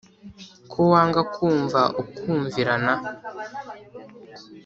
ko wanga kumva ukumvirana